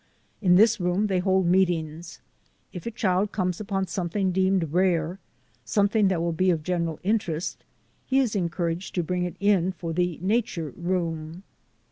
In this room they hold meetings. If a child comes upon some thing deemed rare, something that will be of gen eral interest, he is encouraged to bring it in for the nature room.